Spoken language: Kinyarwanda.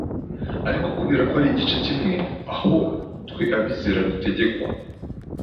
Ariko kubera ko ari igice kimwe aho twe abizera dutegekwa